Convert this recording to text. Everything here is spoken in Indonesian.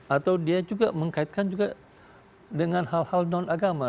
atau dia juga mengkaitkan juga dengan hal hal non agama